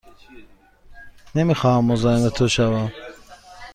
نمی خواهم مزاحم تو شوم.